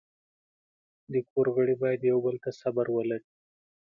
د کور غړي باید یو بل ته صبر ولري.